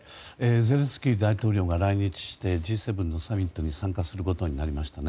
ゼレンスキー大統領が来日して、Ｇ７のサミットに参加することになりました。